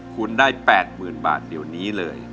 คุณได้๘๐๐๐บาทเดี๋ยวนี้เลย